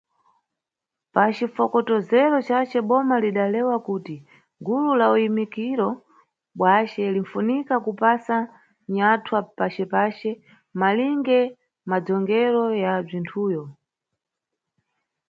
Pacifokotozero cace, Boma lidalewa kuti "gulu la uyimikiro bzwace linfunika kupasa nyathwa pacepace, malinge madzongero ya bzwinthuyo".